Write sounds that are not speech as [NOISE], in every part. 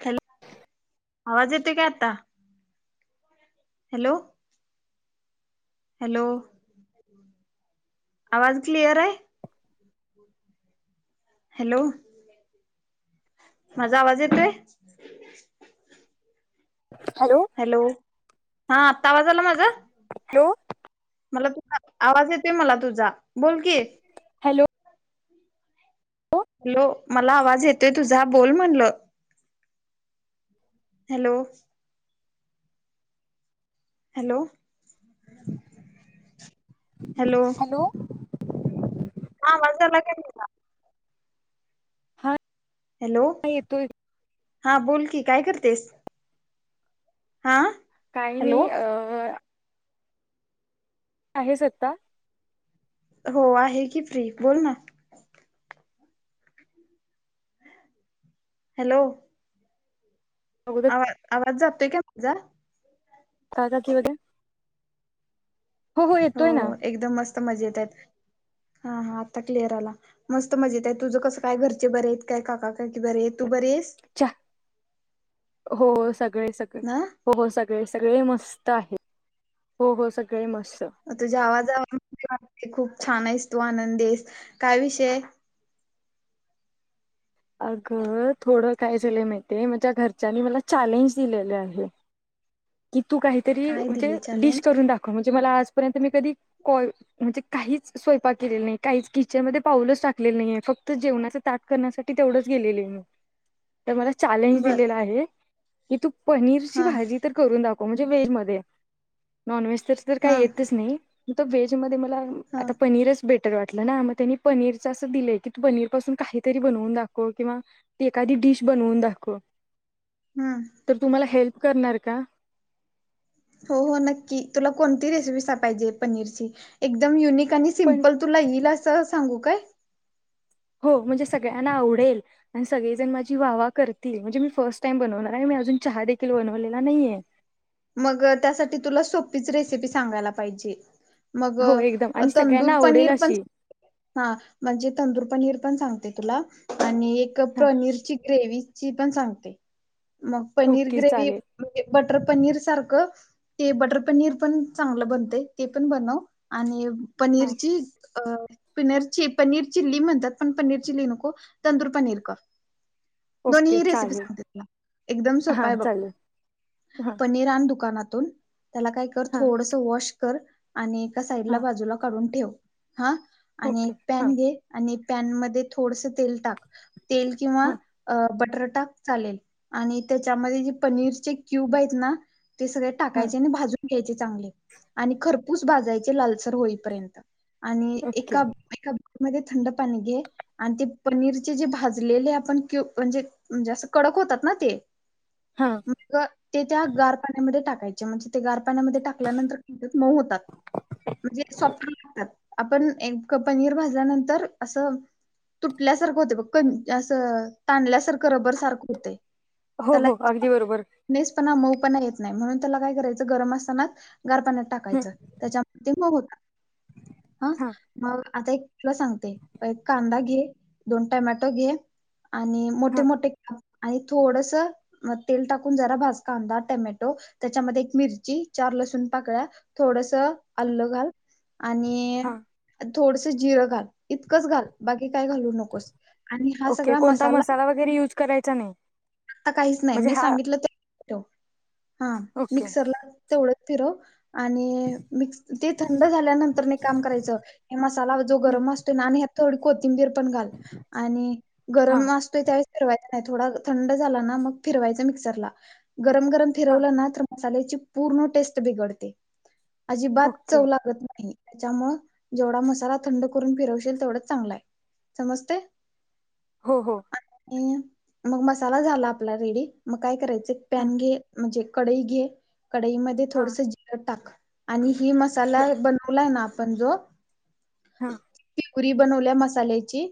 Hello आवाज येतो क्याता हॅलो हॅलो आवाज क्लिअर आहे हॅलो माझा आवाज येतोय हॅलो हा आत्ता आवाज आला माझा हॅलो. मला तुझ आवाज येतय मला तुझा बोल की. हॅलो. हॅलो मला आवाज येतोय तुझा बोल म्हणल, हॅलो. हॅलो. [INAUDIBLE] हॅलो. हा आवाज यायलाय तुला. हा. हॅलो [UNINTELLIGIBLE] येतो. हा बोलकी काय करतेस? हा काही हॅलो नाही अ आहे सत्ता. हो आहे की फ्री बोल ना. हॅलो. अगोदर [UNINTELLIGIBLE] आज जाततोय का माझा. काका [UNINTELLIGIBLE] हो हो येतोय ना. मस् मजे हाईत, हा हा आता क्लिअर आला मस्त मजेत आहेत तुझं कसं काय घरचे बरे आहेत काय काका बरे आहेत तू बरे आहेस. चहा. हो सग सगळे सगळे ना? हो हो सगळे. सगळे मस्त आहे. हो हो सगळे मस्त. तुझ्या आवाजा खूप छान आहेस तू आनंदी, काय विषय? अगं थोडं काय झालंय माहितेय माझ्या घरच्यांनी मला चॅलेंज दिलेले आहे. की तू काहीतरी काय म्हणजे दिली डिश चॅलेंज करून दाखव, म्हणजे मला आज तपर्यंत मी कधी कॉ म्हणजे काहीच स्वयंपाक केलेलं नाही काहीच किचन मध्ये पाऊलच टाकलेलं नाही फक्त जेवणाच ताट करण्यासाठी तेवढंच गेलेले मी. तर मला चॅलेंज बर दिलेला आहे. की तू पनीरची हा भाजी बनवून दाखव. म्हणजे व्हेज मध्ये नॉनव्हेज तस तर हा काही येतच नाही. वेजमध्ये म हा आता पनीरच भेट वाटलं ना मग त्यांनी पनीरच असं दिलंय की, तू पनीर पासून काहीतरी बनवून दाखव किंवा एखादी डिश बनवून दाखव. हम्म तर तुम्हाला हेल्प. करणार? का? हो हो नक्की. तुला कोणती रेसिपी सा पाहीजे पनीरची? एकदम युनिक आणि पण सिम्पल तूला येईलस अस सांगू काय? हो म्हणजे सगळ्यांना आवडेल आणि सगळेजण माझी वावा करतील म्हणजे मी फर्स्ट टाइम बनवणार आहे. मी अजून चहा देखील बनवलेला नाहीेये. मग त्यासाठी तुला सोपीच रेसिपी सांगायला पाहिजे. मग हो एकदम आणि सगळ्यांना तंदूर आवडेल पनीरपण अशी म्हणजे तंदूर पनीर पण सांगते तुला आणि आणि एक हा पनीरची ग्रेवी ची पण सांगते. मग पनीर ओके ग्रेवी चालेल म्हणजे बटर पनीर. सारख ते बटर पनीर पण चांगलं बनतय ते पण बनव आणि हा पनीरची. अ पिनर च पनीर चिल्ली म्हणतात पण पनीर चिल्ली नको तंदूर पनीर कर ओके दोन्ही रेसिपी चालेल सांगते तुला एकदम सोपा हा आहे बघ. चालेल हा दुकानातून. त्याला काय कर हा थोडस वॉश कर. आणि एका साइडला हा बाजूला काढून ठेव. हा आणि ओके एक हा पॅन घे आणि पॅनमध्ये थोडसं तेल टाक. तेल किंवा हा अ बट र टाक चालेल आणि त्याच्यामध्ये जे पनीरचे क्यूब आहेत ना. ते सगळे हा टाकायचे आणि भाजून घ्यायचे चांगले आणि खरपूस भाजायचे लालसर होईपर्यंत. आणि एका ओके एका मध्ये थंड पाणी घे आणि ते पनीरचे जे भाजलेले आपण क्यु म्हणजे जे असं कडक होतात ना ते. हा मग ते त्या गार मध्ये टाकायचे म्हणजे ते गार पाण्यामध्ये टाकल्यानंतर मऊ होतात, म्हणजे सॉफ्ट पण होतात. आपण एक पनीर भाजल्यानंतर असं तुटल्यासारखं होते ब क असं ताणल्यासारखं रबर सारखं होतेय हो हो अगदी बरोबर. पण म्हणून त्याला काय करायच गरम असतानाच गार पाण्यात हं, टाकायचं त्याच्या हो हो हा मग आता एक सांगते एक कांदा घे दोन टमॅटो घे. आणि हा मोठे मोठे आणि थोडसं म तेल टाकून जरा भाज कांदा, टमॅ टोल त्याच्यामध्ये एक मिरची चार लसूण पाकळ्या थोडसं आल्ल घाल. आणि हा थोडसं जिरं घाल इतकं घाल बा की काय घालू नकोस आणि हा ओके सगळा कोणता मसाला, वगैरे यूज करायचा नाही आता काहीच नाही म्हणजे मी हा सांगितलं तो हा ओके मिक्सरला तेवढं फिरो, आणि मिक्स ते थंड झाल्यानंतर न एक काम करायचं हे मसाला जो हं, गरम असतो ना आणि थोडी को थिंबीर पण घाल आणि हा गरम असतोय त्यावेळी थोडा थंड झाला ना मग फिरवाच मिक्सरला गरम गरम हा फिरवलं ना तर. साल्याची पूर्ण टेस्ट बिघडते. अजिबात ओके चव लागत नाही. च्यामुळं जेवढा मसाला थंड करून फिरवशील तेवढंच चांगलं हाय, समजतंय. हो, हो, हमम मग मसाला झाला आपला रेडी मग काय करायचं, एक हा पॅन घे, म्हजे कढई घे, कढईमध्ये हा थोडंसं जिरं टाक, आणि, मी मसाला बनवला आहे ना आ, पंजोऽऽऽऽ हाऽऽऽ पूरी बनवल्या मसाल्याची.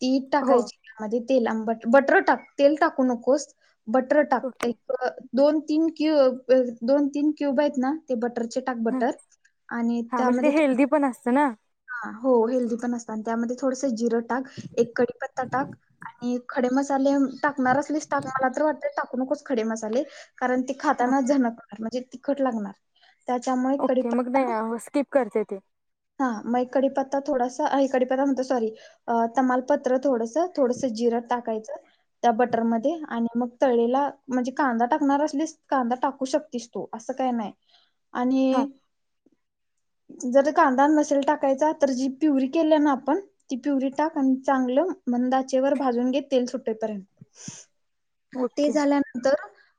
ती हो टाकायची त्यामध्ये. तेल आंबट, बटर टाक तेल टाकू नकोस. बटर टाक, ओके एकऽऽऽऽ दोन तीन क्यू अ, दोन तीन क्यूब आहेत ना ते बटऽऽ चे टाक हा बटर, आणि हा म्हणजे ते त्यामध्येऽऽऽ हेल्दी पण असतं ना हा, हो हेल्दी पण असत आणि त्यामध्ये थोडस जिरं, टाक, एक कडीपत्ता टाक आणिऽऽऽ खडे मसाले मऽऽटाकणार असलीस टाक, मला तर वाटतंय टाकू नकोस खडे मसाले. कारण ती खाताना ओके झणकणार म्हणजेऽऽऽ कट लागणार. त्याच्यामुळे ओके, मग नाही कढीपत्ता हा स्किप करते ते. हा, मग एक कडीपत्ता थोडासा, हय कडीपत्ता म्हणतो सॉरी, अं तमालपत्र थोडंसं ग थोडसं जिरं टाक. कायचं, त्या बटर मधे आणि मग तळलेला, म्हजे कांदा टाकणार असलीस कांदा टाकू शकतीस तु, असं काय नाही. हां आणिऽऽऽऽ जराऽऽऽ कांदा न मसाला टाकायचा तर जी प्युरी केल्या ना आपण ती प्युरी टाक आणि चांगलं मंद आचेवर भाजून घे तेल सुटेपर्यंत. ते ओके झाल्याऽऽनंतर.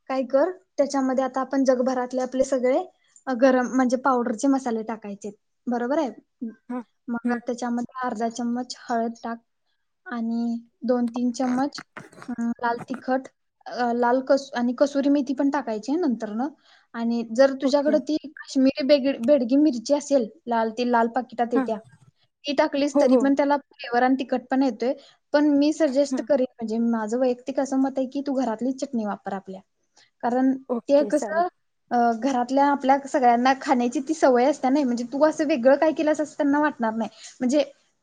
काय कर, त्याच्यामध्ये आता आपण जगभरातले आपले सगळे अऽ गरम म्हणजे पावडरचे मसाले टाकायचेत. बरोबर आहे. हम हम्म त्याच्यामध्ये अर्धा चमच हळद टाक आणि दोन तीन चम्मच लाल तिखट लाल कस आणि कसुरी मेथी पण टाकायची नंतर न. आणि जर ओके तुझ्याकडे ती काश्मीर बे बेडगी मिरची असेल. लाल त लाल. पाकिट हां येत्या ती टाकली हो तरी हो पण त्याला फ्लेवर आणि तिकखट पण येतेय. पण मी सजेस्ट हां करेन म्हणजे माझ वैयक्तिक अस मते की, घरातली चटणी वापर आपल्या. कारण ते ओके चालेल कसं अ घरातल्या आपल्या सगळ्यांना खाण्याची ती सवय असता नाही म्हणजे तू असं वेगळं काय केलंस असं त्यांना वाटणार नाही म्हणजे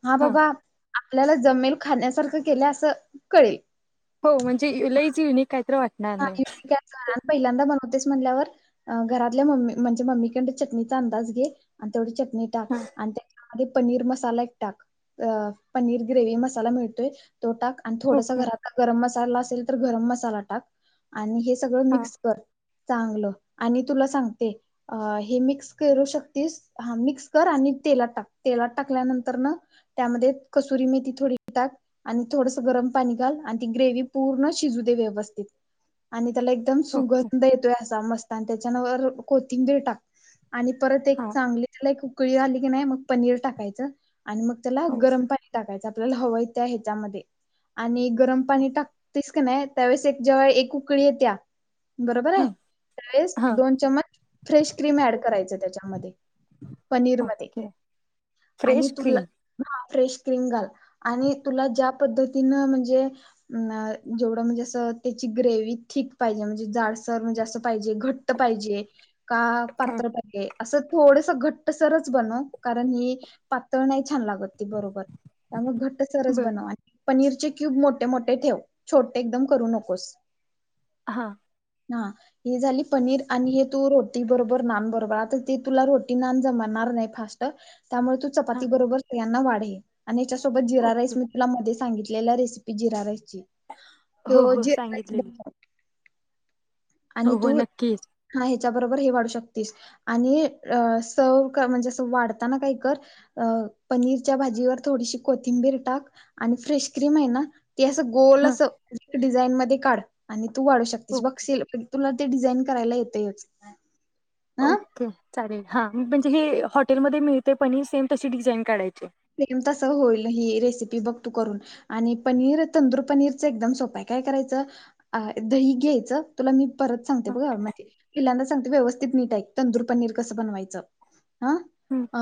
हा हां बाबा. आपल्याला जमेल खाण्यासारखं केलं असं कळेल. हो म्हणजे लाईच युनिक काहीतरी वाटणार नाही. आणि मी काय कर, आणि पहिल्यांदा बनवतेस म्हणल्यावर घारातल्या मम्मी म्हणजे मम्मीक डण चटनीचा अंदाज घे आणि तेवढी चट नि टाक हां आणि ते आधी पनीर मसाला टाक. अ पनीर ग्रेवी मसाला मिळतोय. तो टाक आणि थोडासा ओके घरात गरम म मला असेल तर गरम मसाला टाक. आणि हे. सगळ हां मिक्स कर. चांगलं आणि तुला सांगते. अ हे मिक्स करू शकतेस. हा मिक्स कर आणि तेलात टाक तेलात टाकल्यानंतर न त्यामध्ये कसुरी मेथी थोडी टाक आणि थोडस गरम पाणी घाल आणि ती ग्रेव पूर्ण शिजू दे व्यवस्थित. आणि त्याला एकदम ओके सुगंध येतोय असा मस्त त्याच्यानवर कोथिंबीर टाक. आणि परत एक हां चांगली त्याला एक उकळी कुळी आली की नाही मग पनीर टाकायच. आणि मग त्याला ओके गरम पाणी टाकायच. आपल्याला हवय त्या हच्यामध्ये आणि गरम पाणी टाकतेस. का नाही त्यावेळेस एक जवळ एक उकळी येत्याल. बरोबर आहे? हां त्यावेळेस हां दोन चममच फ्रेश क्रीम ऍड करायच त्याच्यामध्ये पनीर मध्ये ओके आणि फ्रेश तुला क्रीम ह फ्रेश क्रीम घाल आणि तुला ज्या पद्धतीनं म्हणजे जेवढं म्हणजे असं ग्रेव्ही थिक पाहिजे. म्हणजे जाडसर, म्हणजे असं पाहिजे घट्ट पाहिजे. [INAUDIBLE] का हां पात्र पाहिे [INAUDIBLE] असं थोडस घट्ट सरच बन कारण हे पातळ नाही छान लागत ती बरोबर त्यामुळे घट्ट सरस बर बनव [INAUDIBLE] पनीरचे क्यूब मोठे मोठे ठेव छोटे एकदम करू नकोस [INAUDIBLE] हा [INAUDIBLE] हा हे झाली पनीर आणि हे तू रोटी बरोबर नान बरोबर आता ते तुला रोटी नान जमणार नाही फास्ट [INAUDIBLE] त्यामुळे तू हां चपाती बरोबर [INAUDIBLE] ढ [INAUDIBLE] सोबत जिरा ओके राईस मी तला मध्ये सांगितलं [INAUDIBLE] ला रेसिपी जरा आहे [INAUDIBLE] [INAUDIBLE] तो हो हो जे [INAUDIBLE] होव नक्कीच [INAUDIBLE] त्या बरोबर हे वाढू शक आणि स म्हणजे वाताना का कर पनीरच्या भाजीवर थोडीशी कोथिंबीर टाक आणि फ्रेश कम आहे ना [INAUDIBLE] ते असं गोल हां असं [INAUDIBLE] डिझाईन मध्ये काढ आणि [INAUDIBLE] [INAUDIBLE] तू वाढू शकतेची ओके बघील तुला ते डिझाईन करायला येतंयच [INAUDIBLE] ओके चालेल [INAUDIBLE] हा म्हणजे हे हॉटेलमध्येध्ये मिळते पण सेम तशी डिझाईन काढाय च [INAUDIBLE] [INAUDIBLE] प्रेम तस होईल ही रेसिपी बघ तू करून आणि पनीर तंदूर पनीरच एकदम सोपाय काय करायचं दही घ्यायचं तुला मी [INAUDIBLE] परत सांगते बघा मजे पिल्यांदा सांगते व्यवस्थित नीट आहे तंदूर पनीर कसं बनवायचं हा हां अ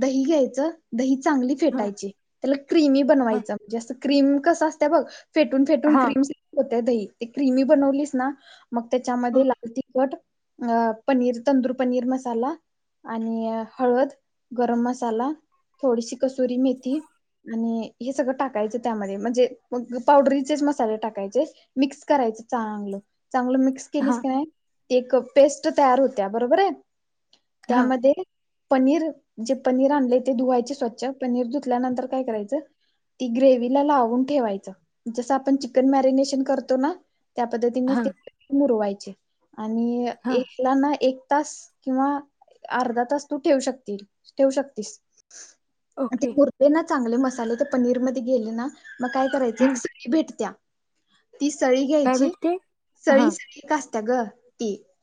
दही घ्यायचं [INAUDIBLE] [INAUDIBLE] दहीित चांगली हा फेटायची [INAUDIBLE] [INAUDIBLE] त क्रीमी हा बनवायचं म्हणजे असं [INAUDIBLE] क्रीम कस असत बघ [INAUDIBLE] [INAUDIBLE] फेटून फेटून हा क्रीमस होत्या दही ते क्रिमी बनवलीस ना [INAUDIBLE] मग त्याच्यामध्ये लाल तिखट [INAUDIBLE] अ पनीर तंदूर पनीर मसाला आणि हळद गरम मसाला [INAUDIBLE] [INAUDIBLE] थोडीशी कसुरी मेथी आणि हे सगळं टाकायचं त्यामध्ये म्हणजे मग पावडरीचेच मसाले टाकायचे मिक्स करायच चांगलं चांगलं मिक्स [INAUDIBLE] केलीस हा काय एक पेस्ट तयार होत्या बरोबर आहे. हा त्यामध्ये? पनीर जे पनीर आणलय ते धुवायचे स्वच्छ पनीर धुतल्यानंतर काय करायचं ती ग्रेवीला लावून ठेवायच जस आपण चिकन मॅरिनेशन करतो ना त्या पद्धतीनेच हा ते मुरवायचे. आणि हा एकला ना एक तास किंवा अर्धा तास तू ठेवू शकती ठेवू शकतीस. ते ओके उरतय ना चांगले मसाले तर पनीर मध्ये गेले ना? मग काय करायचं एक हम्म सळी भेटत्या् मग ती सळी काय घ्यायची भेटते हा सळी सळी का त्याग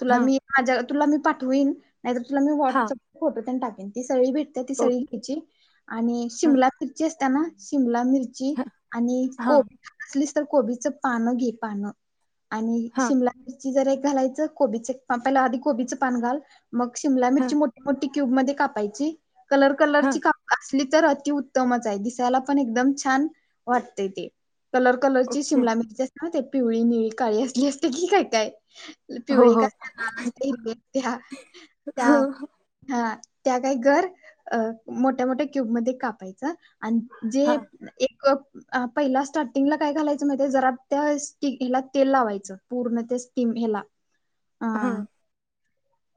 तुला हा मी माझ्या तुला मी पाठवीन. नाइ तर तुला मी हा व्हॉट्सअप फोटो तेन टाक ती सळी भेट त ती ओ सळी घ्याची आणि हा शिमला मिरची अस त्यांना शिमला मिरच ची हा आणि हा कोबी [UNINTELLIGIBLE] तर कोबीचं पानं घे पानं. आणि हा शिमला ती जरा एक घालायच कोबीचं पान पहिला आधी कोबीचं पान घाल मग शिमला मिरची हा मोठी मोठी क्यूब मध्ये कापायची कलर हा कलरची कापा [UNINTELLIGIBLE] लि तर अतिउत्तमच हाय दिसायला पण एकदम छान वाटतंय ते. कलर कलरची ओके शिमला मिरची असत्या माहि पिवळी, निळी, काळी असली असत्या की काय काय? हो पिवळी एक हो असत्या लाल असत्या हिरवी असत्या त्या हा. त्या काय कर. अ मोठ्या मोठ्या क्यूबमध्ये कापायचं आणि जे हा एक अं पहिल्या स्टार्टिंगला काय घालायचं माहित्याय जरा त्या स्टीइला तेल लावायचं पूर्ण ते स्टीम हेला हा अं.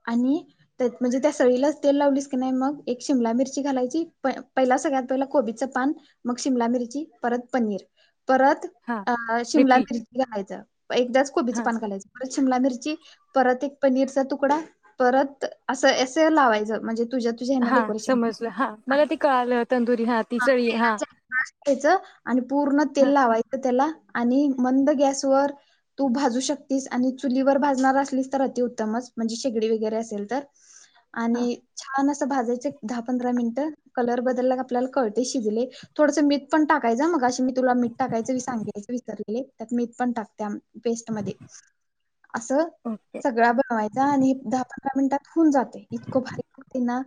आणि त्यात म्हणजे त्या सळीलाच तेल लावलीस का नाइ मग एक शिमला मिरची घालायची पण पहिला सगळ्यात पहिला कोबीच पान मग शिमला मिरची परत पनीर परत हा अ शिमला रिपीट मिरची घालायच एकदाच कोबीचं हा पान घालायचं. शिमला मिरची परत एक पनीरचा तुकडा परत असं एसं लावायचं म्हणजे तुझ्या तुझ्या हेन हा डेकोरेशन समजलं हा मला ते कळालं तंदुरी हा ती चळी हा [UNINTELLIGIBLE] आणि पूर्ण तेल हा लावायचं तेला आणि मंद गॅसवर तू भाजू शकतिस आणि चुलीवर भाजणार असलीस तर अतिउत्तमच म्हण शेगडी वैगरे असेल तर हा आणि छान असं चं भाजायच दहा पंधरा मिनिटं कलर बदल लाक आपल्याला कळते शिजले थोडस मीठ पण टाकायचं मगाशी मी तुला मीठ टाकायचं सांगायच विसरले त्यात मीठ पण टाक त्याम पेस्ट मध्ये आस ओके सगळा बनवायचा आणि दहा पंधरा मिनिटात हुन जातयं इतकं भारी होतंय ना.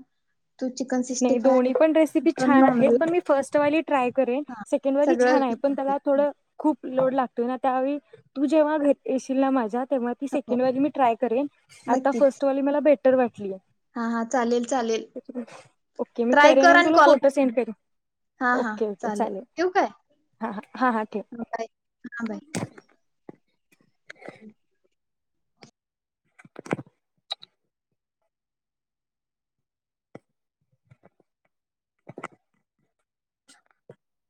तू चिकन सिक्स्टी नाही फाय दोन्ही पण रेसिपी चिकन छान आहेत नॉनव्हेज पण मी फर्स्टवाली ट्राय करेन हा सेकंडवाली सगळं छान आहे पण विचारते. त्याला थोडं खूप लोड लागत त्यावेळी तू जेव्हा घ [UNINTELLIGIBLE] येशील ना माझ्यात तेव्हा ती हो सेकंड वाली मी ट्राय करेन आता फर्स्ट वालीला भेट तर वाटली हा हा चालेल चालेल ओके मी ट्राय करेन कर आणि तुला कॉल फोटो सेंड करेन हा हा ओके ओके चालेल ठेव काय हां हां हां हां ठेव बाय हा बाय [INAUDIBLE]